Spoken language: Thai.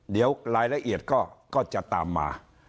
เดี๋ยวรายละเอียดก็จะตามมา